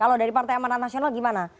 kalau dari partai amanat nasional gimana